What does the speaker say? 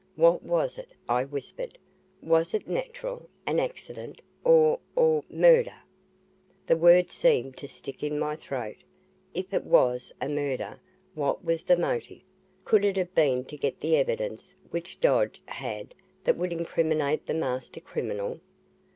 "What was it?" I whispered. "Was it natural, an accident, or or murder?" The word seemed to stick in my throat. If it was a murder, what was the motive? Could it have been to get the evidence which Dodge had that would incriminate the master criminal?